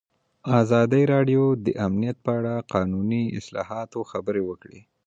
ازادي راډیو د امنیت په اړه د قانوني اصلاحاتو خبر ورکړی.